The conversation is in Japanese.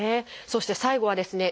そして最後はですね